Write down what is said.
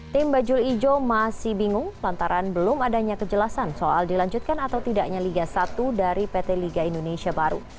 tim bajul ijo masih bingung lantaran belum adanya kejelasan soal dilanjutkan atau tidaknya liga satu dari pt liga indonesia baru